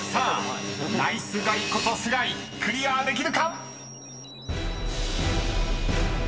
［ナイスガイこと須貝クリアできるか⁉］